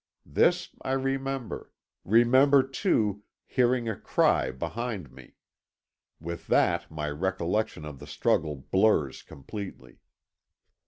This I remember; remember, too, hearing a cry behind me. With that my recollection of the struggle blurs completely.